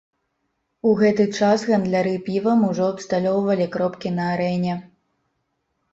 У гэты час гандляры півам ужо абсталёўвалі кропкі на арэне.